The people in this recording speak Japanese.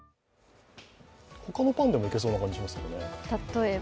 他のパンでもいけそうな感じしますけどね。